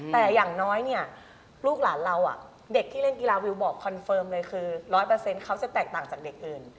แต่อย่างน้อยเนี่ยลูกหลานเราเด็กที่เล่นกีฬาวิวบอกคอนเฟิร์มเลยคือ๑๐๐เขาจะแตกต่างจากเด็กอื่น